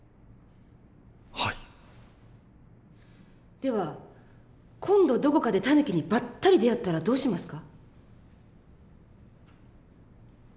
では今度どこかでタヌキにばったり出会ったらどうしますか？